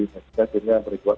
ini asidu yang berikut